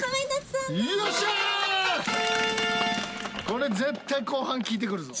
これ絶対後半効いてくるぞ。